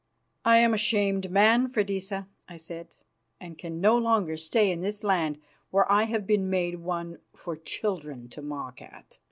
"I am a shamed man, Freydisa," I said, "and can no longer stay in this land where I have been made one for children to mock at."